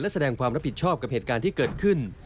และแสดงความรับผิดชอบกับเหตุการณ์ที่เกิดขึ้น